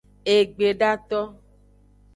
Egbedato.